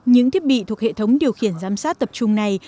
những thiết bị thuộc hệ thống điều khiển giám sát tập trung này